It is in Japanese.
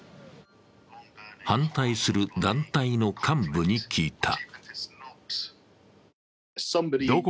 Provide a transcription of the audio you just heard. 反対する団体の幹部に聞いた。